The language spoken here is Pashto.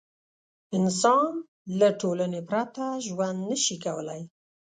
انسان له ټولنې پرته ژوند نه شي کولی.